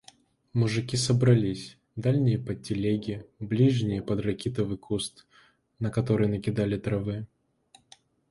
Мужики собрались — дальние под телеги, ближние — под ракитовый куст, на который накидали травы.